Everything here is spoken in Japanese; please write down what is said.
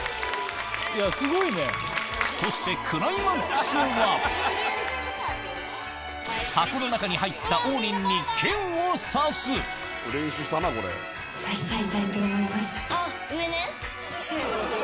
そしてクライマックスは箱の中に入った王林に剣を刺す・あっ上ね・せの。